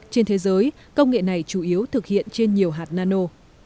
trên thế giới công nghệ này chủ yếu thực hiện trên nhiều hạt nano